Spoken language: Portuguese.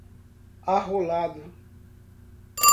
arrolado